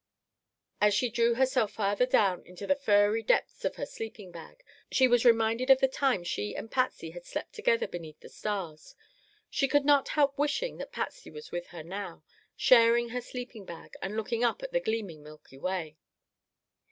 As she drew herself farther down into the furry depths of her sleeping bag, she was reminded of the time she and Patsy had slept together beneath the stars. She could not help wishing that Patsy was with her now, sharing her sleeping bag, and looking up at the gleaming Milky Way.